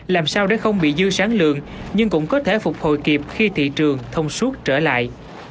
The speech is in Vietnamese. làm sao để không bị dư sáng lượng nhưng cũng có thể phục hồi kịp khi thị trường thông suốt trở lại